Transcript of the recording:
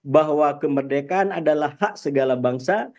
bahwa kemerdekaan adalah hak segala bangsa